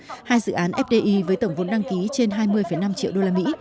hai dự án fdi với tổng vốn đăng ký trên hai mươi năm triệu usd